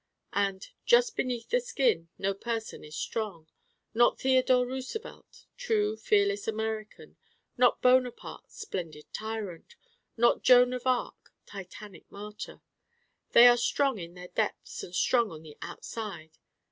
And Just Beneath The Skin no person is strong: not Theodore Roosevelt, true fearless American: not Bonaparte, splendid tyrant: not Joan of Arc, titanic martyr. They are strong in their depths and strong on the outside.